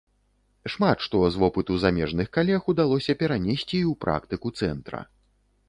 Шмат што з вопыту замежных калег удалося перанесці і ў практыку цэнтра.